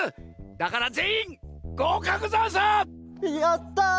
だからぜんいんごうかくざんす！やった！